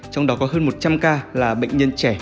trong đó có hơn một trăm linh ca là bệnh nhân trẻ